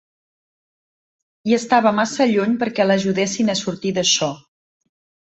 I estava massa lluny perquè l'ajudessin a sortir d'això.